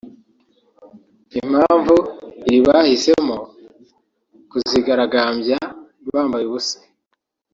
Impamvu iri bahisemo kuzigaragambya bambaye ubusa